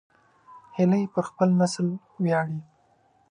هیلۍ پر خپل نسل ویاړي